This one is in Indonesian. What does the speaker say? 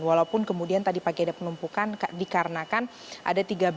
walaupun kemudian tadi pagi ada penumpukan dikarenakan ada tiga belas